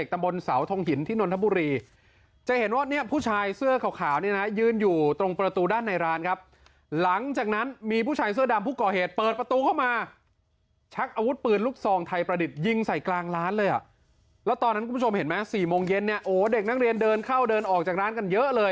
ตำบลเสาทงหินที่นนทบุรีจะเห็นว่าเนี่ยผู้ชายเสื้อขาวเนี่ยนะยืนอยู่ตรงประตูด้านในร้านครับหลังจากนั้นมีผู้ชายเสื้อดำผู้ก่อเหตุเปิดประตูเข้ามาชักอาวุธปืนลูกซองไทยประดิษฐ์ยิงใส่กลางร้านเลยอ่ะแล้วตอนนั้นคุณผู้ชมเห็นไหมสี่โมงเย็นเนี่ยโอ้เด็กนักเรียนเดินเข้าเดินออกจากร้านกันเยอะเลย